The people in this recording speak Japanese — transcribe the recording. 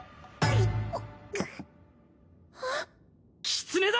キツネだ！